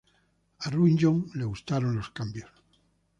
A Runyon le gustaron los cambios.